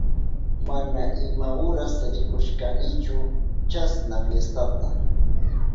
Mana ima uras rikushkanichu chasna fiestata.